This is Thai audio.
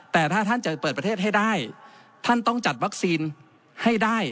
แต่ถ้าท่านจะเปิดประเทศให้ได้ท่านต้องจัดวัคซีนให้ได้